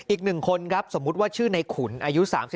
อีกหนึ่งคนสมมติว่าชื่อนายขุนอายุ๓๒